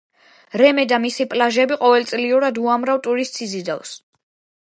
რემე და მისი პლაჟები ყოველწლიურად უამრავ ტურისტს იზიდავს.